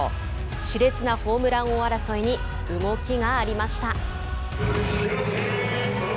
しれつなホームラン王争いに動きがありました。